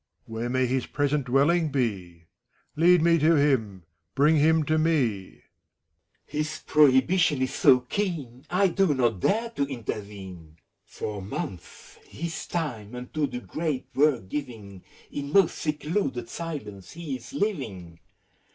Where may his present dwelling bef Lead me to him ! Bring him to me ! FAKULUS. His prohibition is so keen ! I do not dare to intervene. For months, his time unto the great work giving, In most secluded silence he is living.